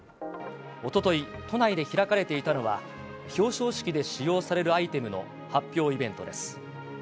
おととい、都内で開かれていたのは、表彰式で使用されるアイテムの発表イベントです。